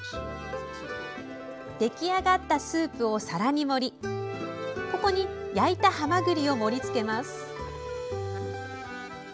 出来上がったスープを皿に盛りここに焼いたはまぐりを盛り付けます。